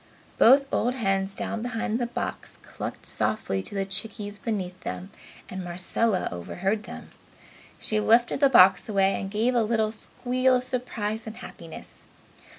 Both old hens down behind the box clucked softly to the chickies beneath them and Marcella overheard them. She lifted the box away and gave a little squeal of surprise and happiness.